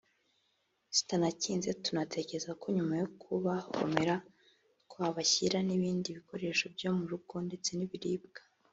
zitanakinze tunatekereza ko nyuma yo kubahomera twabashyira n’ibindi bikikoresho byo murugo ndetse n’ibiribwa”